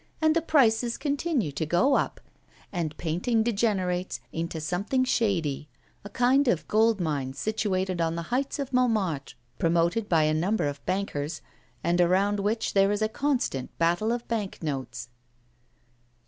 And the prices continue to go up, and painting degenerates into something shady, a kind of gold mine situated on the heights of Montmartre, promoted by a number of bankers, and around which there is a constant battle of bank notes.